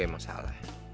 gue emang salah